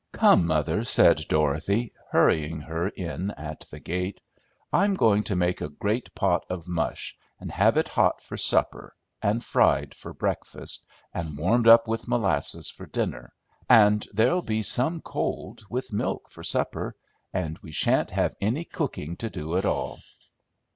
"Come, mother," said Dorothy, hurrying her in at the gate. "I'm going to make a great pot of mush, and have it hot for supper, and fried for breakfast, and warmed up with molasses for dinner, and there'll be some cold with milk for supper, and we shan't have any cooking to do at all!"